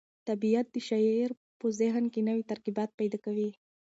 طبیعت د شاعر په ذهن کې نوي ترکیبات پیدا کوي.